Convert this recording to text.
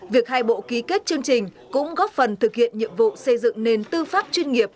việc hai bộ ký kết chương trình cũng góp phần thực hiện nhiệm vụ xây dựng nền tư pháp chuyên nghiệp